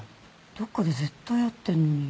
どこかで絶対会ってるのに。